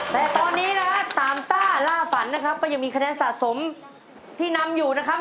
แต่ตอนนี้นะฮะสามซ่าล่าฝันนะครับก็ยังมีคะแนนสะสมที่นำอยู่นะครับ